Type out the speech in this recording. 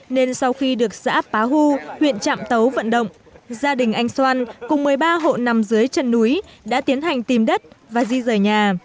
nên sau khi được xã bá hu huyện trạm tấu vận động gia đình anh xoan cùng một mươi ba hộ nằm dưới chân núi đã tiến hành tìm đất và di rời nhà